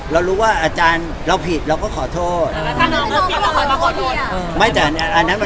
ตัวตัวคนนี้ที่สาม